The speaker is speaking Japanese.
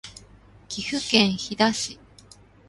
岐阜県飛騨市